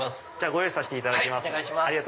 ご用意させていただきます。